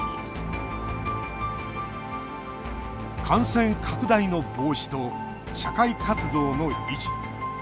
感染拡大の防止と社会活動の維持。